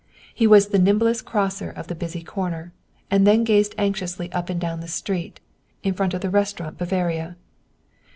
He was the nimblest crosser of the busy corner, and then gazed anxiously up and down the street, in front of the Restaurant Bavaria.